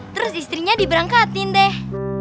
terus istrinya diberangkatin deh